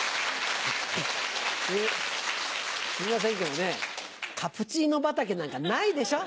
すいませんけどねカプチーノ畑なんかないでしょ？